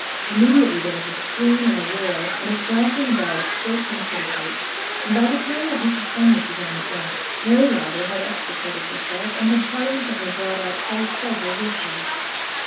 Immediately there was a scream and a roar, and a splashing about of skirts and petticoats, and by the time that Mrs. Fenwick was on the bank, Mary Lowther had extricated herself, and had triumphantly brought out Flo's treasure with her.